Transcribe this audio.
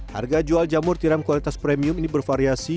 harga jual jamur tiram kualitas premium ini bervariasi